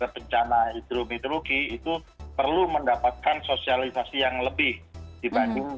bencana hidro hidroki itu perlu mendapatkan sosialisasi yang lebih dibandingkan